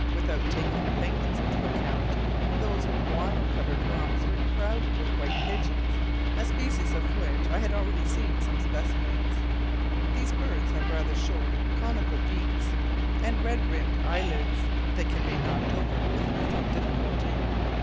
Without taking the penguins into account, those guano covered rocks were crowded with white pigeons, a species of which I had already seen some specimens. These birds have rather short, conical beaks, and red rimmed eyelids; they can be knocked over with little difficulty.